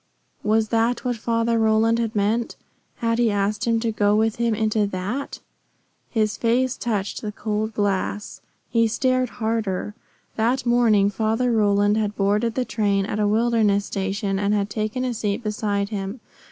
Was that what Father Roland had meant? Had he asked him to go with him into that? His face touched the cold glass. He stared harder. That morning Father Roland had boarded the train at a wilderness station and had taken a seat beside him.